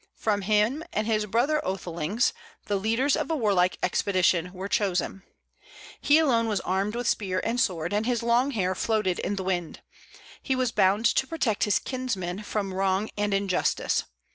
From him and his brother oethelings the leaders of a warlike expedition were chosen. He alone was armed with spear and sword, and his long hair floated in the wind. He was bound to protect his kinsmen from wrong and injustice.